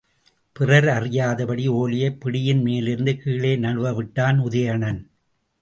பிறரறியாதபடி ஒலையைப் பிடியின் மேலிருந்து கீழே நழுவவிட்டான் உதயணன்.